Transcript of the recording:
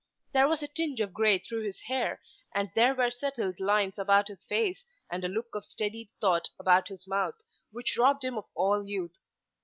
There was a tinge of grey through his hair, and there were settled lines about his face, and a look of steadied thought about his mouth, which robbed him of all youth.